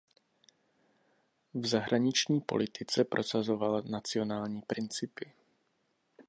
V zahraniční politice prosazoval nacionální principy.